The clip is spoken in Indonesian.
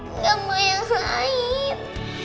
nggak mau yang lain